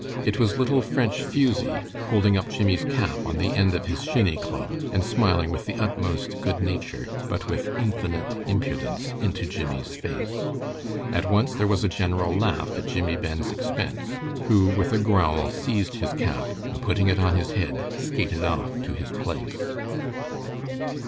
It was little French Fusie, holding up Jimmie's cap on the end of his shinny club, and smiling with the utmost good nature, but with infinite impudence, into Jimmie's face. At once there was a general laugh at Jimmie Ben's expense, who with a growl, seized his cap, and putting it on his head, skated off to his place.